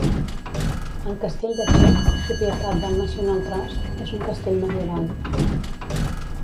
El castell de Chirk, propietat del National Trust, és un castell medieval.